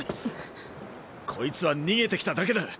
こいつは逃げてきただけだ。